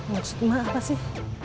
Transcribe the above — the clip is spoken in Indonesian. maksud mak apa sih